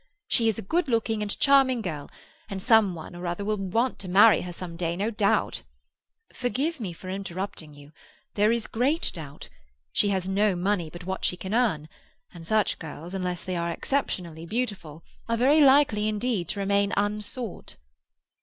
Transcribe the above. "She is a good looking and charming girl, and some one or other will want to marry her some day, no doubt." "Forgive my interrupting you. There is great doubt. She has no money but what she can earn, and such girls, unless they are exceptionally beautiful, are very likely indeed to remain unsought."